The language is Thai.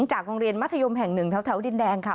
จากโรงเรียนมัธยมแห่งหนึ่งแถวดินแดงค่ะ